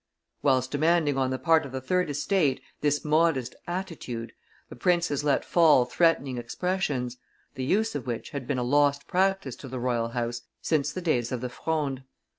Whilst demanding on the part of the third estate this modest attitude, the princes let fall threatening expressions, the use of which had been a lost practice to the royal house since the days of the Fronde.